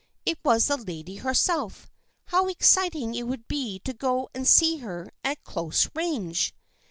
It was the lady herself. How exciting it would be to go and see her at close range